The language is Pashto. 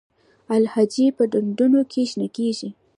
الجی په ډنډونو کې شنه کیږي